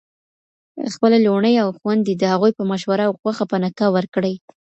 خپلي لوڼي او خوندي د هغوی په مشوره او خوښه په نکاح ورکړئ